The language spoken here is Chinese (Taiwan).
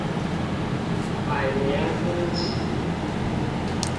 百年孤寂